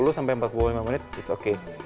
tiga puluh sampai empat puluh lima menit it's okay